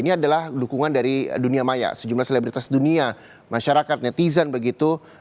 ini adalah dukungan dari dunia maya sejumlah selebritas dunia masyarakat netizen begitu